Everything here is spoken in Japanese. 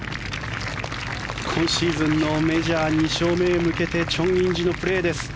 今シーズンのメジャー２勝目へ向けてチョン・インジのプレーです。